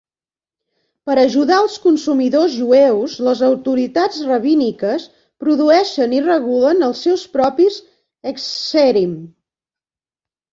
Per ajudar els consumidors jueus, les autoritats rabíniques produeixen i regulen els seus propis "hechsherim".